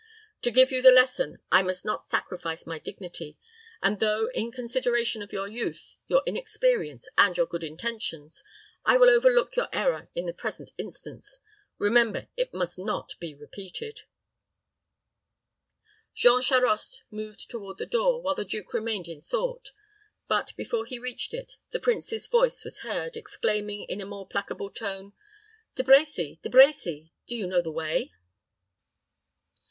To give you the lesson, I must not sacrifice my dignity; and though, in consideration of your youth, your inexperience, and your good intentions, I will overlook your error in the present instance, remember it must not be repeated." Jean Charost moved toward the door, while the duke remained in thought; but, before he reached it, the prince's voice was heard, exclaiming, in a more placable tone, "De Brecy, De Brecy, do you know the way?"